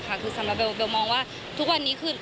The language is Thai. คือสำหรับเบลมองว่าทุกวันนี้คือ